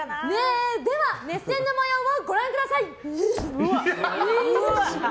では、熱戦の模様をご覧ください！